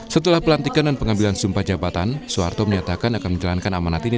setelah pelantikan dan pengambilan sumpah jabatan soeharto menyatakan akan menjalankan amanat ini